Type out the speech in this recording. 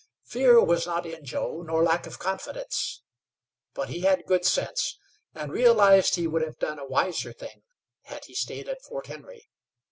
Fear was not in Joe nor lack of confidence; but he had good sense, and realized he would have done a wiser thing had he stayed at Fort Henry.